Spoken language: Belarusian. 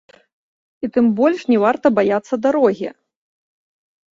І тым больш не варта баяцца дарогі.